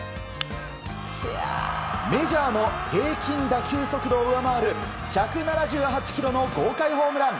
メジャーの平均打球速度を上回る１７８キロの豪快ホームラン。